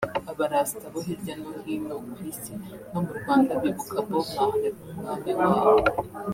aba-Rasta bo hirya no hino ku isi no mu Rwanda bibuka Bob Marley nk’umwami wabo